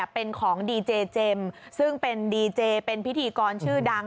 เป็นของดีเจเจมส์ซึ่งเป็นดีเจเป็นพิธีกรชื่อดัง